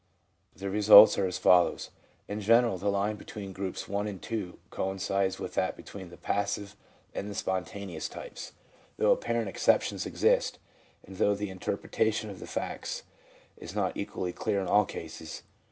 The results are as follows :— In general, the line between Groups I. and II. coincides with that between the passive and the spontaneous types, though apparent exceptions exist, and though the interpretation of the facts is not equally clear in all cases.